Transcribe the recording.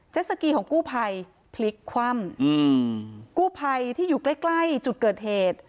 สกีของกู้ภัยพลิกคว่ำอืมกู้ภัยที่อยู่ใกล้ใกล้จุดเกิดเหตุ